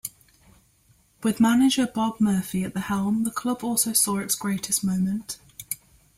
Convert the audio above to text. With manager Bob Murphy at the helm the club also saw its greatest moment.